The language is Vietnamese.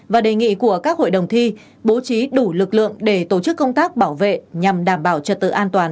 và đề nghị của các hội đồng thi bố trí đủ lực lượng để tổ chức công tác bảo vệ nhằm đảm bảo trật tự an toàn